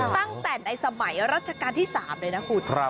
ตั้งแต่ในสมัยรัชกาลที่๓เลยนะคุณ